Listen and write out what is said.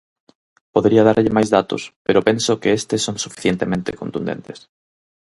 Podería darlle máis datos pero penso que estes son suficientemente contundentes.